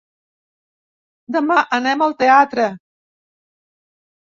Demà anem al teatre.